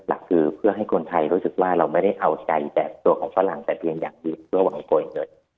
หลักคือเพื่อให้คนไทยรู้สึกว่าเราไม่ได้เอาใจแบบตัวของฝรั่งแต่เพียงอยากดูดเพื่อหวังกลัวอีกหนึ่ง